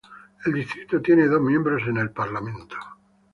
El distrito tiene dos miembros en el Parlamento.